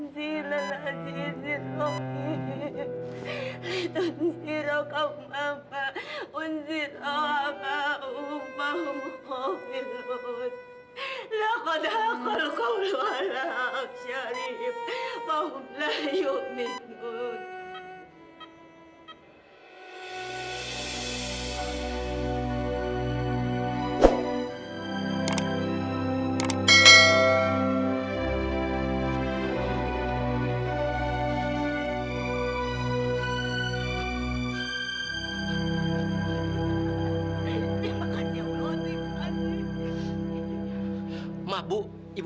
dia tak jantung epita benda ini lagi